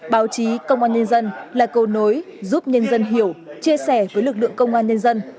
báo chí công an nhân dân là cầu nối giúp nhân dân hiểu chia sẻ với lực lượng công an nhân dân